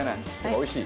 おいしい。